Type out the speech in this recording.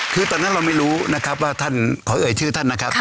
คือตอนนั้นเราไม่รู้นะครับว่าท่านขอเอ่ยชื่อท่านนะครับ